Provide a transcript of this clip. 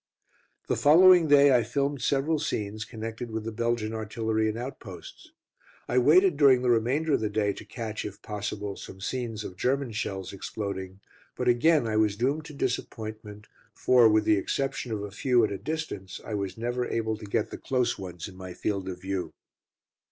The following day I filmed several scenes connected with the Belgian artillery and outposts. I waited during the remainder of the day to catch, if possible, some scenes of German shells exploding, but again I was doomed to disappointment, for, with the exception of a few at a distance, I was never able to get the close ones in my field of view.